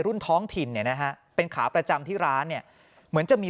ท้องถิ่นเนี่ยนะฮะเป็นขาประจำที่ร้านเนี่ยเหมือนจะมี